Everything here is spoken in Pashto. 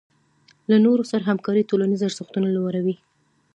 له نورو سره همکاري ټولنیز ارزښتونه لوړوي.